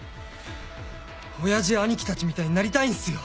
親父や兄貴たちみたいになりたいんすよ！